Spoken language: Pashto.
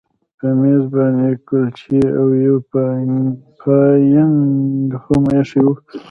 په میز باندې کلچې او یو چاینک هم ایښي وو